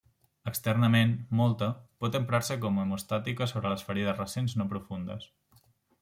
Externament, mòlta, pot emprar-se com hemostàtica sobre les ferides recents no profundes.